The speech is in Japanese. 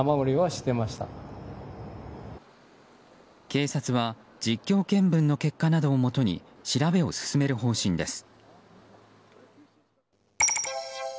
警察は実況見分の結果などをもとに調べを進める方針です。